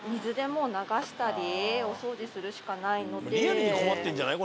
リアルに困ってるんじゃない？